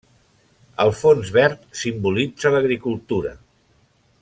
El fons verd simbolitza l'agricultura.